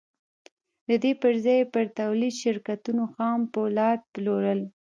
د دې پر ځای يې پر توليدي شرکتونو خام پولاد پلورل.